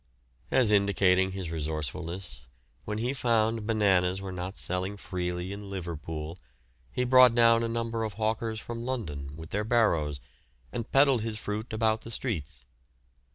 As indicating his resourcefulness, when he found bananas were not selling freely in Liverpool, he brought down a number of hawkers from London with their barrows and peddled his fruit about the streets.